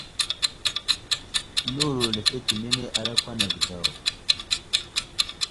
Newuro lefetenene a lakwan age daw.